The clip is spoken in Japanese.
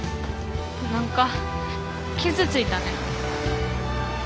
何か傷ついたね。